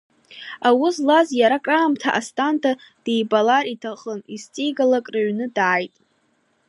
Аус злаз иара акраамҭа Асҭанда дибалар иҭахын, изҵигалак рҩны дааит.